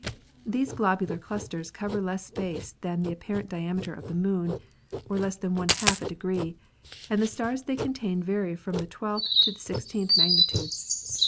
These globular clusters cover less space than the apparent diameter of the Moon, or less than one half a degree, and the stars they contain vary from the twelfth to the sixteenth magnitudes.